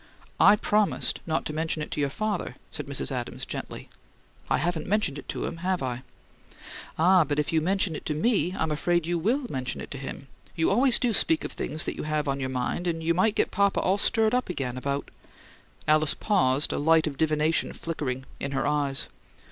"I promised not to mention it to your father," said Mrs. Adams, gently. "I haven't mentioned it to him, have I?" "Ah, but if you mention it to me I'm afraid you WILL mention it to him. You always do speak of things that you have on your mind, and you might get papa all stirred up again about " Alice paused, a light of divination flickering in her eyes.